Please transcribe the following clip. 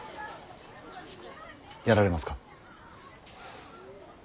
やられますか。